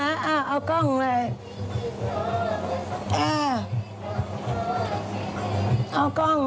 เออเอากล้องเลยเอากล้อง